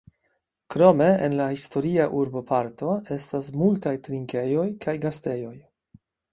Krome en la historia urboparto estas multaj trinkejoj kaj gastejoj.